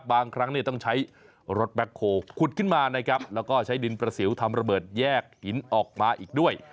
แต่บางครั้งต้องใช้รดแบครูขุดขึ้นมาแล้วก็ใช้ดินประเสรียวฮมาร้าเบิร์ตแยกหินออกมาอีกด้วย